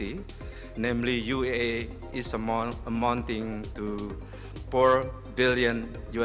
yaitu uae yang berharga empat juta dolar per tahun